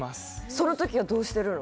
その時はどうしてるの？